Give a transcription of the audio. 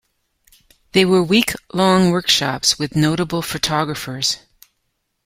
They were week-long workshops with notable photographers.